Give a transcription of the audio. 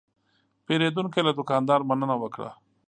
پیرودونکی له دوکاندار مننه وکړه.